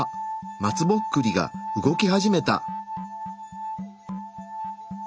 松ぼっくりが動き始めた。